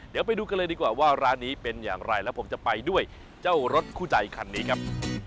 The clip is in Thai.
เดี๋ยวไปดูกันเลยดีกว่าว่าร้านนี้เป็นอย่างไรแล้วผมจะไปด้วยเจ้ารถคู่ใจคันนี้ครับ